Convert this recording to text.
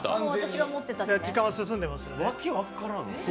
時間は進んでますので。